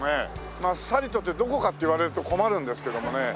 まあさりとてどこかって言われると困るんですけどもね。